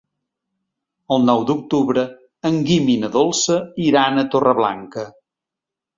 El nou d'octubre en Guim i na Dolça iran a Torreblanca.